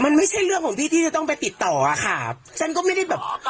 มันไม่ใช่เรื่องของพี่ที่จะต้องไปติดต่ออะค่ะฉันก็ไม่ได้แบบ